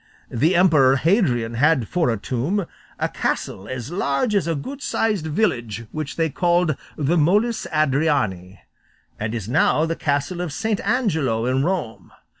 The emperor Hadrian had for a tomb a castle as large as a good sized village, which they called the Moles Adriani, and is now the castle of St. Angelo in Rome.